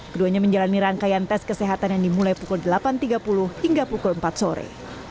keduanya menjalani rangkaian tes kesehatan yang dimulai pukul delapan tiga puluh hingga pukul empat sore